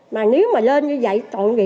mà nếu mà lên như vậy còn